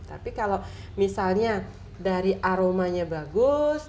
tapi kalau misalnya dari aromanya bagus